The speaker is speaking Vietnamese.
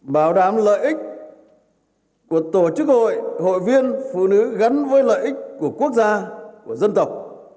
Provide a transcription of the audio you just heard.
bảo đảm lợi ích của tổ chức hội hội viên phụ nữ gắn với lợi ích của quốc gia của dân tộc